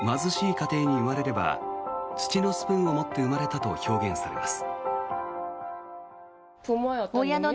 家庭に生まれれば土のスプーンを持って生まれたと表現されます。